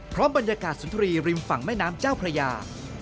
บรรยากาศสุนทรีย์ริมฝั่งแม่น้ำเจ้าพระยา